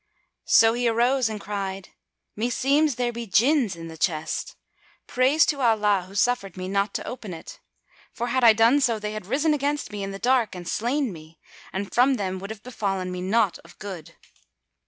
So he arose and cried, "Meseems there be Jinns in the chest. Praise to Allah who suffered me not to open it! For, had I done so, they had risen against me in the dark and slain me, and from them would have befallen me naught of good."